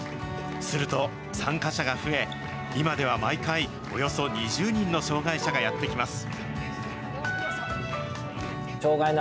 すると、参加者が増え、今では毎回、およそ２０人の障害者がやって来ます。